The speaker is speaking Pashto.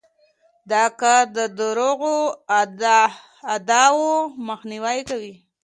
دا کار د دروغو ادعاوو مخنیوی کوي.